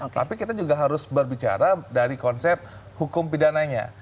tapi kita juga harus berbicara dari konsep hukum pidananya